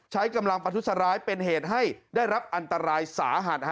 ใช้กำลังประทุษร้ายเป็นเหตุให้ได้รับอันตรายสาหัส